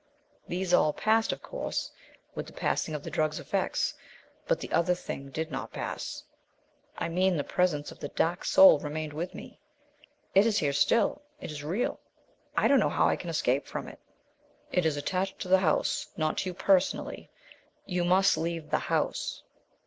These all passed, of course, with the passing of the drug's effects. But the other thing did not pass. I mean, the presence of that Dark Soul remained with me. It is here still. It is real. I don't know how I can escape from it." "It is attached to the house, not to you personally. You must leave the house."